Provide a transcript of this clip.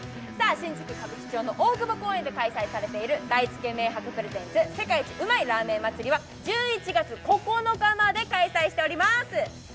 新宿・大久保公園で開催されている大つけ麺博プレゼンツ、世界一うまいラーメン祭は１１月９日まで開催しております。